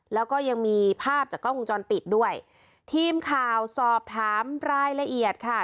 แล้วก็ยังมีภาพจากกล้องวงจรปิดด้วยทีมข่าวสอบถามรายละเอียดค่ะ